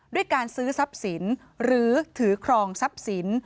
ด้วยการซื้อทรัพย์สินหรือถือครองทรัพย์สิน